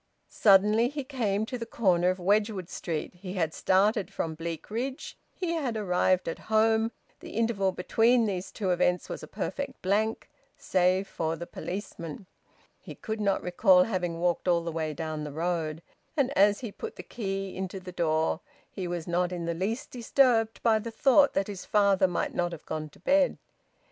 Suddenly he came to the corner of Wedgwood Street. He had started from Bleakridge; he had arrived at home: the interval between these two events was a perfect blank, save for the policeman. He could not recall having walked all the way down the road. And as he put the key into the door he was not in the least disturbed by the thought that his father might not have gone to bed.